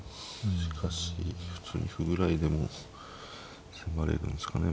しかし普通に歩ぐらいでも迫れるんすかね？